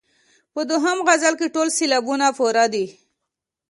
په دوهم غزل کې ټول سېلابونه پوره دي.